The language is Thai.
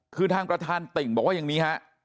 คือทางประธานติ่งบอกว่าอย่างนี้ฮะ